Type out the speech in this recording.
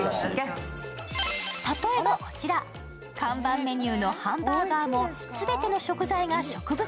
例えばこちら、看板メニューのハンバーガーも全ての食材が植物